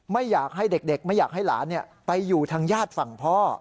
ไม่อยากให้เด็กไม่อยากให้หลานไปอยู่ทางญาติฝั่งพ่อ